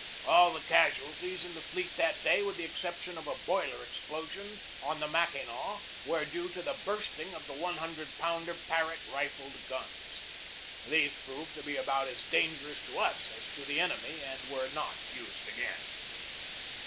All the casualties in the fleet that day, with the exception of a boiler explosion on the Mack inaw, were due to the bursting of the loo pounder Parrot rifled guns. These proved to be about as dangerous to us as to the enemy and were not used again.